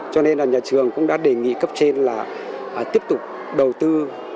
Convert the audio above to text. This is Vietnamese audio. cho nên là nhà trường cũng đã đề nghị cấp trên là tiếp tục đầu tư